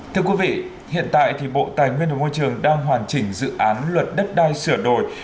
thưa quý vị hiện tại thì bộ tài nguyên và môi trường đang hoàn chỉnh dự án luật đất đai sửa đổi